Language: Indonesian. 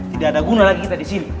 tidak ada guna lagi kita disini